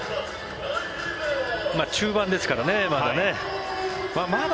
中盤ですからね、まだ。